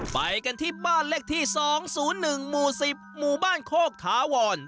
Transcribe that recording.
ไปกันที่บ้านเลขที่๒๐๑หมู่๑๐หมู่บ้านโคกถาวร